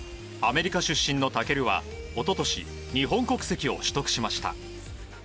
アメリカ出身の尊は、一昨年日本国籍を取得しました。